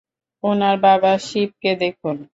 উনার বাবা শিবকে দেখুন?